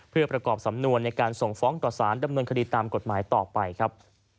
เพื่อประกอบสำนวนในการส่งฟ้องต่อสารดำเนินคดีตามกฎหมายต่อไปครับ